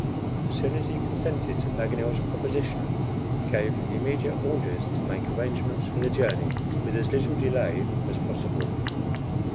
As soon as he consented to Paganel's proposition, he gave immediate orders to make arrangements for the journey with as little delay as possible.